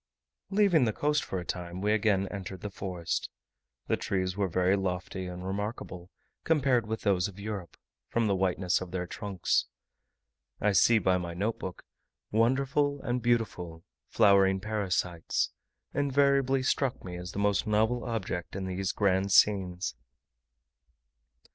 Leaving the coast for a time, we again entered the forest. The trees were very lofty, and remarkable, compared with those of Europe, from the whiteness of their trunks. I see by my note book, "wonderful and beautiful, flowering parasites," invariably struck me as the most novel object in these grand scenes.